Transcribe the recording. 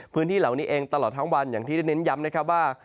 พื้นที่เหล่านี้เองตลอดทั้งวันอย่างที่ได้เน้นย้ำนะครับว่า